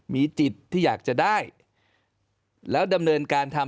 มีจิตที่อยากจะได้แล้วดำเนินการทำ